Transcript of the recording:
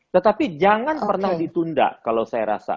tetapi jangan pernah ditunda kalau saya rasa